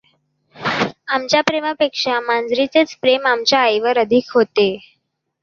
आमच्या प्रेमापेक्षा मांजरीचेच प्रेम आमच्या आईवर अधिक होते.